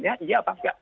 iya atau enggak